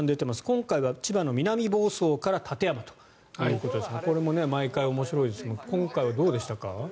今回は千葉の南房総から館山ということですがこれも毎回面白いですけど今回はどうでしたか？